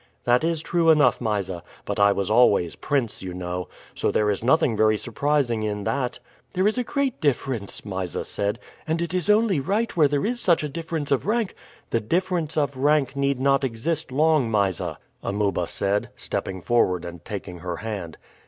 "That is true enough, Mysa; but I was always prince, you know. So there is nothing very surprising in that." "There is a great difference," Mysa said; "and it is only right where there is such a difference of rank " "The difference of rank need not exist long, Mysa," Amuba said, stepping forward and taking her hand.